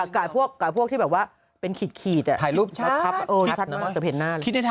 กลายพวกที่แบบว่าเป็นขีดอ่ะถ่ายรูปชัดมากแต่เห็นหน้าเลย